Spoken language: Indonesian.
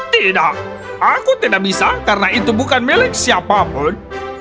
tidak aku tidak bisa karena itu bukan milik siapapun